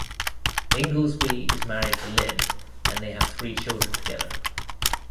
Inglesby is married to Lynn and they have three children together.